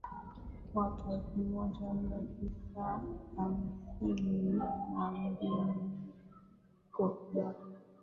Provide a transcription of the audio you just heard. mwaka elfu moja mia tisa hamsini na mbili Koplo